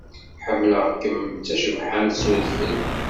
Ḥemmleɣ-kem d tacebḥant s udfel.